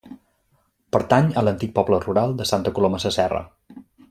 Pertany a l'antic poble rural de Santa Coloma Sasserra.